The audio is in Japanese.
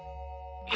え